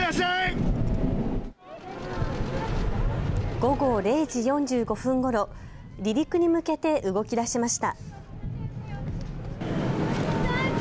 午後０時４５分ごろ、離陸に向けて動きだしました。